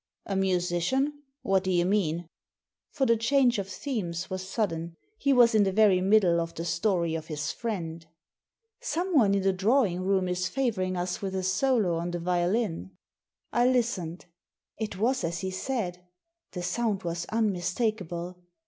A musician ? What do you mean ?" For the change of themes was sudden. He was in the very middle of the story of his friend. " Someone in the drawing room is favouring us with a solo on the violin.'* I listened It was as he said The sound was un mistakable.